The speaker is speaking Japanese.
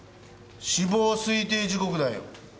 死亡推定時刻だよ。